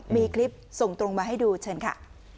มีคลิปส่งตรงมาให้ดูเชิญค่ะ